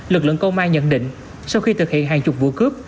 lực lượng công an nhận định sau khi thực hiện hàng chục vụ cướp